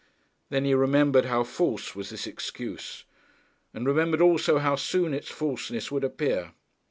Then he remembered how false was this excuse; and remembered also how soon its falseness would appear.